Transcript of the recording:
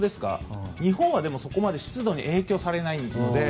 日本はそこまで湿度に影響されないので。